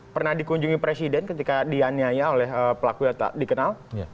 pernah dikunjungi presiden ketika dianiaya oleh pelaku yang tak dikenal